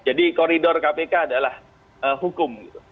jadi koridor kpk adalah hukum gitu